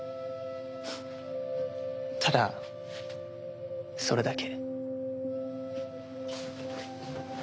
ただそれだけ。